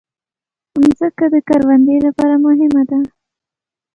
مځکه د کروندې لپاره مهمه ده.